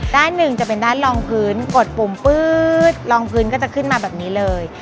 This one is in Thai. ด้านหนึ่งจะเป็นด้านรองพื้นกดปุ่มปื๊ดรองพื้นก็จะขึ้นมาแบบนี้เลย